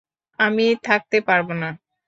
আমি থাকতে পারবো না!